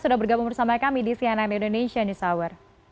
sudah bergabung bersama kami di cnn indonesia news hour